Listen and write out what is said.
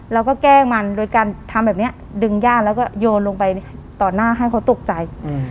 แล้วก็แกล้งมันโดยการทำแบบนี้ดึงย่าแล้วก็โยนลงไปต่อหน้าให้เขาตกใจ